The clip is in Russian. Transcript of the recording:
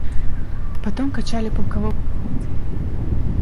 Потом качали полкового командира.